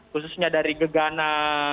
khususnya dari gegana